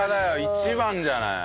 一番じゃない？